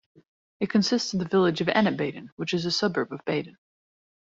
It consists of the village of Ennetbaden which is a suburb of Baden.